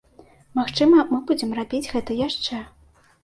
Магчыма, мы будзем рабіць гэта яшчэ.